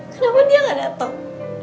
kenapa dia gak dateng